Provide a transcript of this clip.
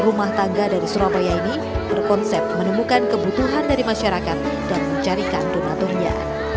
rumah tangga dari surabaya ini berkonsep menemukan kebutuhan dari masyarakat dan mencarikan donaturnya